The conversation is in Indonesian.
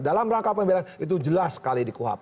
dalam rangka pembelaan itu jelas sekali dikuap